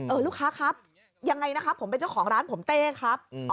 ลูกค้าครับยังไงนะครับผมเป็นเจ้าของร้านผมเต้ครับ